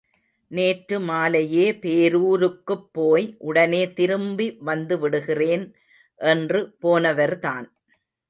நேற்று மாலையே பேரூருக்குப் போய், உடனே திரும்பி வந்துவிடுகிறேன் என்று போனவர்தான்.